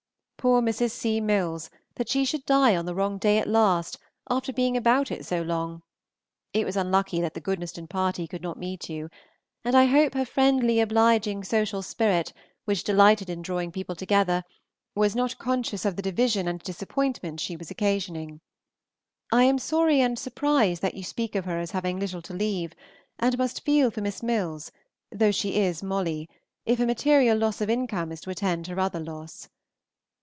Poor Mrs. C. Milles, that she should die on the wrong day at last, after being about it so long! It was unlucky that the Goodnestone party could not meet you; and I hope her friendly, obliging, social spirit, which delighted in drawing people together, was not conscious of the division and disappointment she was occasioning. I am sorry and surprised that you speak of her as having little to leave, and must feel for Miss Milles, though she is Molly, if a material loss of income is to attend her other loss.